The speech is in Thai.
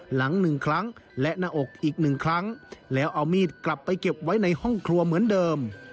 หลังหนึ่งครั้งและหน้าอกอีกหนึ่งครั้งแล้วเอามีดกลับไปเก็บไว้ในห้องครัวเหมือนเดิม